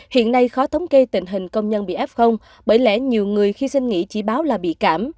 hiện nay khó thống kê tình hình công nhân bị f bởi lẽ nhiều người khi xin nghỉ chỉ báo là bị cảm